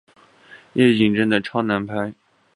夜景真的超难拍